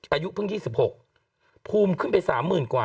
อายุเพิ่ง๒๖ภูมิขึ้นไป๓๐๐๐กว่า